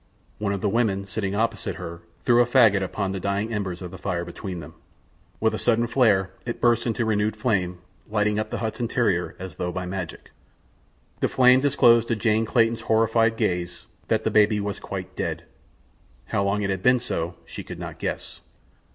One of the women sitting opposite her threw a faggot upon the dying embers of the fire between them. With a sudden flare it burst into renewed flame, lighting up the hut's interior as though by magic. The flame disclosed to Jane Clayton's horrified gaze that the baby was quite dead. How long it had been so she could not guess.